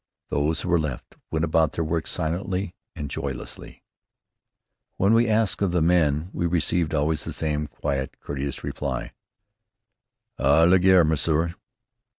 Those who were left went about their work silently and joylessly. When we asked of the men, we received, always, the same quiet, courteous reply: "À la guerre, monsieur."